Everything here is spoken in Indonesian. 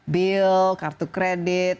bil kartu kredit